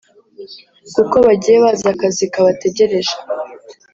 kuko bagiye bazi akazi kabategereje